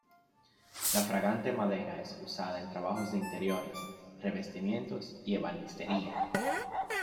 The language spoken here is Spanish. La fragante madera es usada en trabajos de interiores, revestimientos y ebanistería.